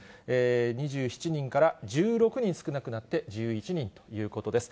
２７人から１６人少なくなって、１１人ということです。